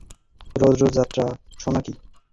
রোজ রোজ যাত্রা শোনা কী?